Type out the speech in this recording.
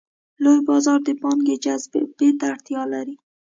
لوی بازار د پانګې جذب ته اړتیا لري.